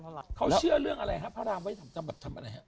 เขาเชื่อเรื่องอะไรฮะพระรามไว้ทำอะไรฮะ